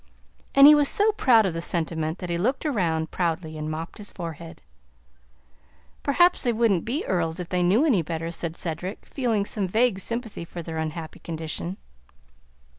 And he was so proud of the sentiment that he looked around proudly and mopped his forehead. "Perhaps they wouldn't be earls if they knew any better," said Cedric, feeling some vague sympathy for their unhappy condition.